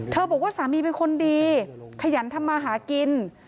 บอกว่าสามีเป็นคนดีขยันทำมาหากิน